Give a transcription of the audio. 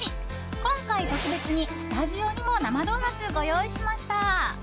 今回特別にスタジオにも生ドーナツご用意しました。